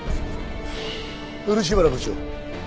漆原部長